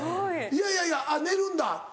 いやいやいやあっ寝るんだ？